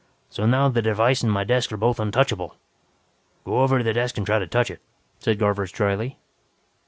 So now the device and my desk are both untouchable. "Go over to the desk and try to touch it," said Garvers dryly.